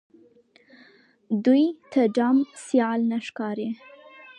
دوی ته ډم سيال نه ښکاري